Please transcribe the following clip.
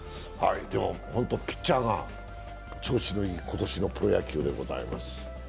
本当にピッチャーが調子のいい今年のプロ野球でございます。